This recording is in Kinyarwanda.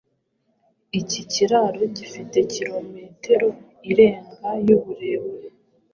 Iki kiraro gifite kilometero irenga y’uburebure